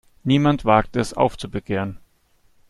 Niemand wagt es, aufzubegehren.